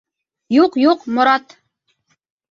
Юҡ, юҡ, Морат!